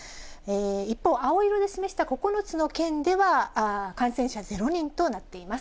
一方、青色で示した９つの県では、感染者０人となっています。